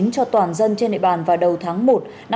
cho toàn dân trên nệp bàn vào đầu tháng một năm hai nghìn hai mươi hai